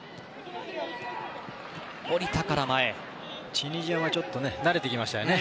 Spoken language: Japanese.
チュニジアはちょっと慣れてきましたね。